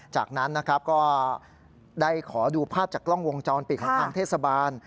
จากนั้นนะครับก็ได้ขอดูภาพจากกล้องวงจรปิดของทางเทศบาล